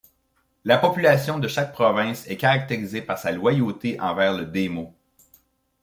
La population de chaque province est caractérisé par sa loyauté envers le daymo.